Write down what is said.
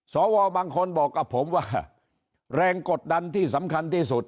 สวบางคนบอกกับผมว่าแรงกดดันที่สำคัญที่สุด